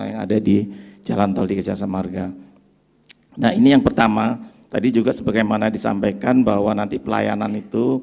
nah tadi juga sebagaimana disampaikan bahwa nanti pelayanan itu